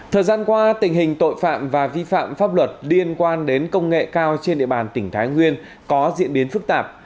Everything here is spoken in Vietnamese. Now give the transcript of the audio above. thời gian qua tình hình tội phạm và vi phạm pháp luật liên quan đến công nghệ cao trên địa bàn tỉnh thái nguyên có diễn biến phức tạp